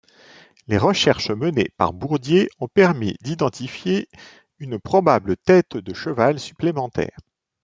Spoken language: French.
Les recherches menées par Bourdier ont permis d'identifier une probable tête de cheval supplémentaire.